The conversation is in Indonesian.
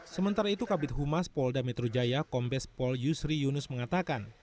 sementara itu kabit humas polda metro jaya kombes pol yusri yunus mengatakan